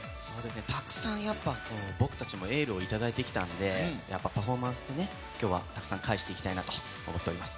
たくさんやっぱ、僕たちもエールをいただいてきたので、パフォーマンスでたくさん返していきたいなと思っております。